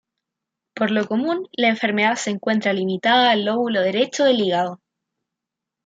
Por lo común la enfermedad se encuentra limitada al lóbulo derecho del hígado.